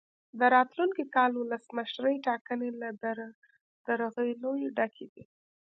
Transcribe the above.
د راتلونکي کال ولسمشرۍ ټاکنې له درغلیو ډکې وې.